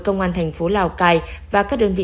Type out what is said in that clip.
công an thành phố lào cai và các đơn vị